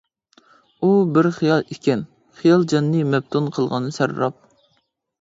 ئۇ بىر خىيال ئىكەن، خىيال، جاننى مەپتۇن قىلغان سەرراپ.